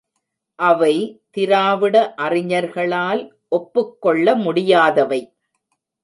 அவை திராவிட அறிஞர்களால் ஒப்புக்கொள்ள முடியாதவை.